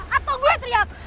atau gue teriak